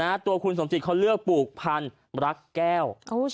นะฮะตัวคุณสงสิทธิ์เขาเลือกปลูกพันธุ์ลักแก้ว